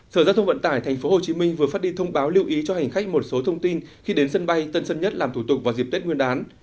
sở giao thông vận tải tp hcm vừa phát đi thông báo lưu ý cho hành khách một số thông tin khi đến sân bay tân sân nhất làm thủ tục vào dịp tết nguyên đán